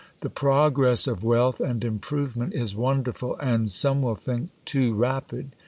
The progress of wealth and improve ment is wonderful, and, some will think, too rapid.